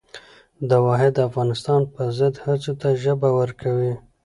د واحد افغانستان پر ضد هڅو ته ژبه ورکوي.